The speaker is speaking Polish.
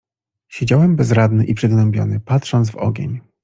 "Siedziałem bezradny i przygnębiony, patrząc w ogień."